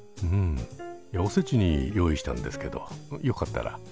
おせちに用意したんですけどよかったら。